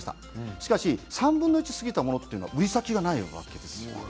しかし３分の１を過ぎたものは売り先がないわけです。